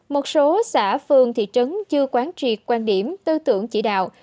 một số xã phường thị trấn chưa quán triệt quan điểm tư tưởng chỉ đạo